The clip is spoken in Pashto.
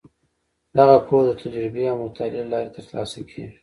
دغه پوهه د تجربې او مطالعې له لارې ترلاسه کیږي.